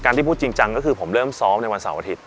ที่พูดจริงจังก็คือผมเริ่มซ้อมในวันเสาร์อาทิตย